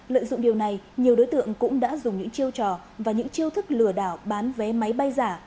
lợi dụng điều này nhiều đối tượng cũng đã dùng những chiêu trò và những chiêu thức lừa đảo bán vé máy bay giả